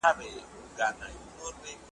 بس له اسمانه تندرونه اوري `